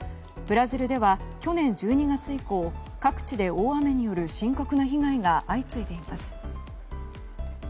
ブラジルでは去年１２月以降各地で、大雨による深刻な被害が相次いでいます。